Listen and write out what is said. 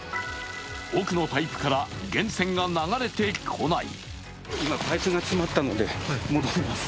奥のパイプから源泉が流れてこない。